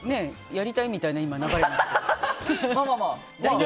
やりたいみたいな流れだった。